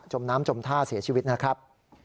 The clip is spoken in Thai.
มน้ำจมท่าเสียชีวิตนะครับ